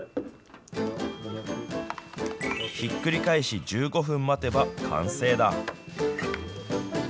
ひっくり返し、１５分待てば完成だ。